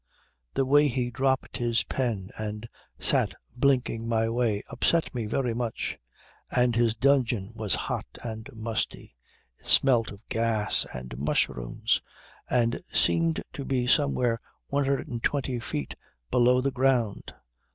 The way he dropped his pen and sat blinking my way upset me very much. And his dungeon was hot and musty; it smelt of gas and mushrooms, and seemed to be somewhere 120 feet below the ground.